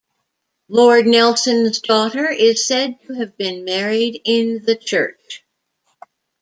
Lord Nelson's daughter is said to have been married in the church.